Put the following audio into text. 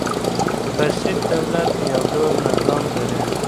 بسیط دولت يو ډول نظام لري.